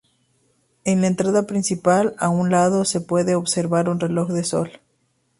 En la entrada principal, a un lado, se puede observar un reloj de sol.